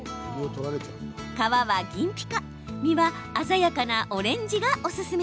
皮は銀ピカ身は鮮やかなオレンジがおすすめ。